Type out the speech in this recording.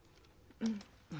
うん。